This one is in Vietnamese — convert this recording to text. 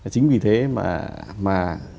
chính vì thế mà